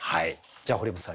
じゃあ堀本さん